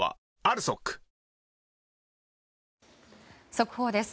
速報です。